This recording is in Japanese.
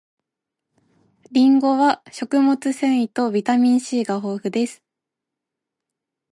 りんごは食物繊維とビタミン C が豊富です